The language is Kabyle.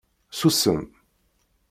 Ssusem!